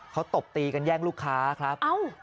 เขาตบตีกันแย่งลูกค้าครับ